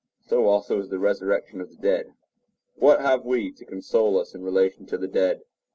So also is the resurrection of the dead" (1 Cor. 15:41). What have we to console us in relation to the dead?